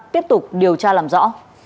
tiếp tục điều tra làm rõ